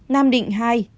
nam định hai